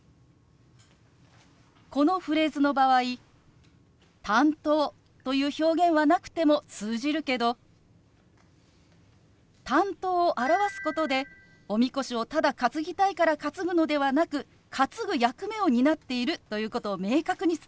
このフレーズの場合「担当」という表現はなくても通じるけど「担当」を表すことでおみこしをただ担ぎたいから担ぐのではなく担ぐ役目を担っているということを明確に伝えることができるの。